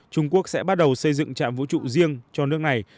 trung quốc sẽ bắt đầu xây dựng trạm vũ trụ riêng cho nước này